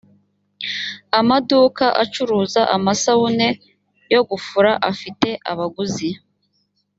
amaduka acuruza amasabune yo gufura afite abaguzi